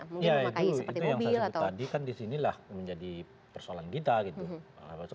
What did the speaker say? iya itu yang saya sebut tadi kan disinilah menjadi persoalan kita gitu